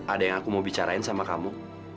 ada yang aku mau bicarain sama kamu